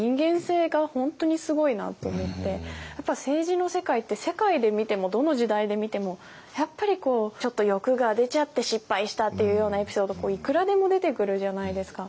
やっぱり政治の世界って世界で見てもどの時代で見てもやっぱりこうちょっと欲が出ちゃって失敗したっていうようなエピソードいくらでも出てくるじゃないですか。